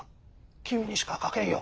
君にしか書けんよ。